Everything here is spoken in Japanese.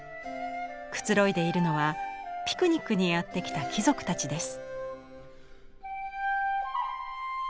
くつろいでいるのはピクニックにやって来た貴族たちです。